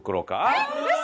えっウソ！